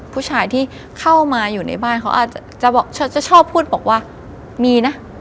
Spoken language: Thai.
ผู้ชายที่เข้ามาอยู่ในบ้านเขาอาจจะชอบพูดบอกว่ามีนะ